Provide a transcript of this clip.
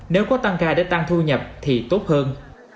nếu có tăng ca để tăng thu nhập thì tốt hơn